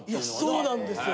いやそうなんですよ。